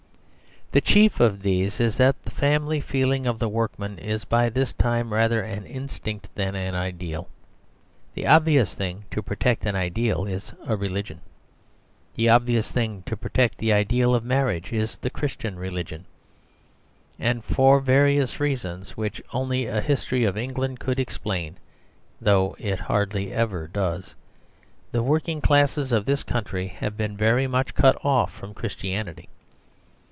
The chief of these is that the family feeling of the workmen is by this time rather an instinct than an ideal. The obvious thing to protect an ideal is a religion. The obvious thing to protect the ideal of marriage is the Christian religion. And for various reasons, which only a history of England could explain (though it hardly ever does), the working classes of this country have been very much cut off from Christianity.